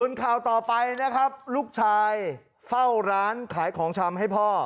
ส่วนข่าวต่อไปนะครับลูกชายเฝ้าร้านขายของชำให้พ่อ